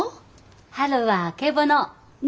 「春はあけぼの」ね。